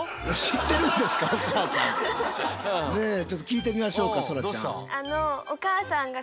ちょっと聞いてみましょうかそらちゃん。